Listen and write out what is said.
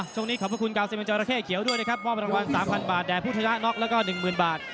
ช่วงนี้ขอบพระคุณกาวเซมิงเจ้าระเข้เขียวด้วยนะครับมอบรางวัล๓๐๐๐บาทแด่ผู้ทัยะน็อคแล้วก็๑๐๐๐๐บาท